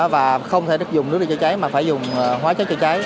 và không thể dùng nước để cháy cháy mà phải dùng hóa chất cháy cháy